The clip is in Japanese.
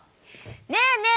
ねえねえ